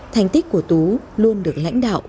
thành tích của tú luôn được lãnh đạo